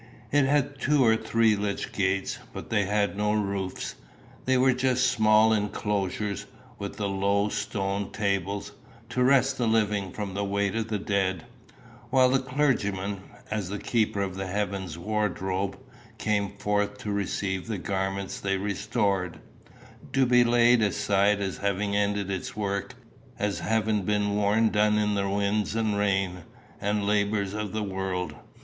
It had two or three lych gates, but they had no roofs. They were just small enclosures, with the low stone tables, to rest the living from the weight of the dead, while the clergyman, as the keeper of heaven's wardrobe, came forth to receive the garment they restored to be laid aside as having ended its work, as having been worn done in the winds, and rains, and labours of the world.